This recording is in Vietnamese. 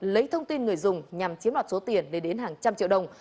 lấy thông tin người dùng nhằm chiếm lọt số tiền đến hàng trăm triệu đồng